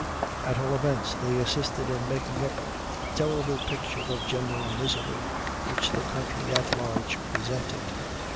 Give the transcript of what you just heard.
At all events, they assisted in making up the terrible picture of general misery which the country at large presented.